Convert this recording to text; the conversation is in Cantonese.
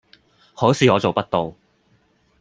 可是我做不到